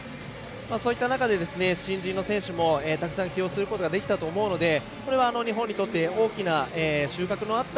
そういった中で新人の選手もたくさん起用することができたと思うのでこれは日本にとって大きな収穫のあった